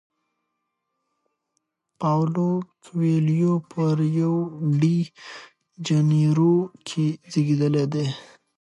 پاولو کویلیو په ریو ډی جنیرو کې زیږیدلی دی.